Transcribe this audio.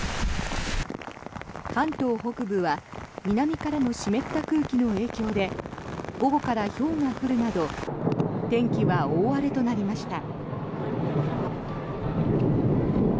関東北部は南からの湿った空気の影響で午後からひょうが降るなど天気は大荒れとなりました。